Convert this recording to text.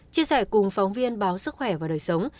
chia sẻ cùng phóng viên báo sức khỏe và đời sống